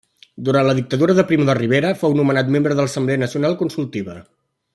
Durant la dictadura de Primo de Rivera fou nomenat membre de l'Assemblea Nacional Consultiva.